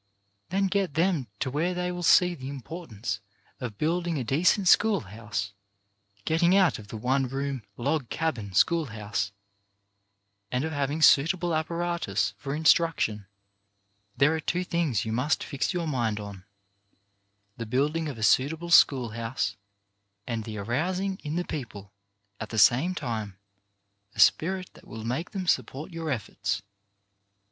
Then get them to where they will see the impor tance of building a decent school house — getting out of the one room log cabin school house— and of having suitable apparatus for instruction. There are two things you must fix your mind on • the building of a suitable school house and the arousing in the people, at the same time, a spirit that will make them support your efforts.